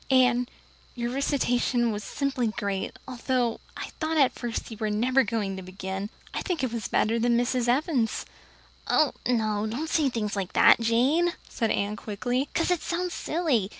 Anne, your recitation was simply great, although I thought at first you were never going to begin. I think it was better than Mrs. Evans's." "Oh, no, don't say things like that, Jane," said Anne quickly, "because it sounds silly.